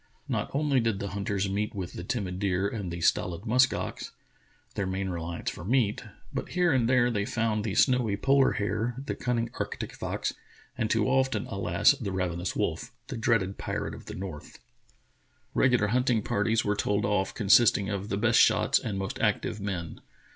Not only did the hunters meet with the timid deer and the stolid musk ox — their main reliance for meat — but here and there they found the snowy polar hare, the cunning arctic fox, and too often, alas! the ravenous wolf — the dreaded pirate of the north. Regular hunting parties were told off, consisting of the best shots and most active men.